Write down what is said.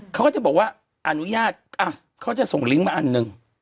เขาก็จะบอกว่าอนุญาตเขาจะส่งลิงก์มาอันหนึ่ง